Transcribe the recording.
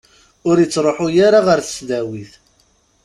Ur ittruḥu ara ɣer tesdawit.